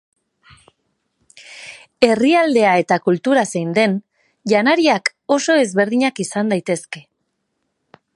Herrialdea eta kultura zein den, janariak oso ezberdinak izan daitezke.